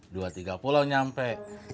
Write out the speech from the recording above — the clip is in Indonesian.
dua tiga pulau nyampe